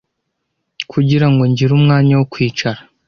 kugirango ngire umwanya wo kwicara?